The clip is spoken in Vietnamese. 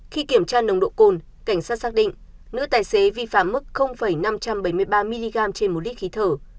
khi kiểm tra nồng độ cồn cảnh sát xác định nữ tài xế vi phạm mức năm trăm bảy mươi ba mg trên một lít khí thở